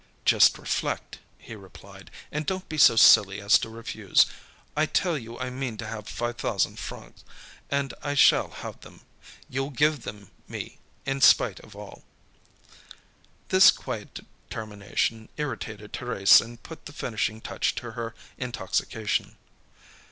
"Just reflect," he replied, "and don't be so silly as to refuse. I tell you I mean to have 5,000 francs, and I shall have them. You'll give them me, in spite of all." This quiet determination irritated Thérèse and put the finishing touch to her intoxication.